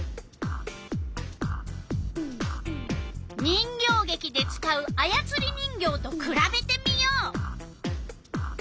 人形げきで使うあやつり人形とくらべてみよう。